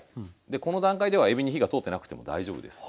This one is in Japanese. でこの段階ではえびに火が通ってなくても大丈夫です。